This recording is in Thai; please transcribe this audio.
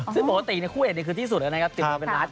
ซึ่งปกติในคู่เอกนี่คือที่สุดเลยนะครับติดมาเป็นร้าน